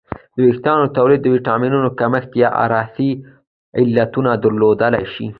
د وېښتانو تویدل د ویټامینونو کمښت یا ارثي علتونه درلودلی شي